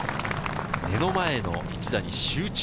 目の前の一打に集中。